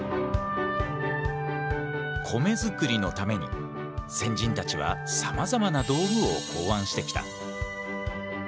米づくりのために先人たちはさまざまな道具を考案してきた。